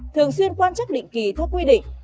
thường xuyên quan chắc định kỳ theo quy định